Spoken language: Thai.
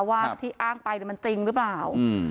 ว่าที่อ้างไปมันจริงหรือเปล่า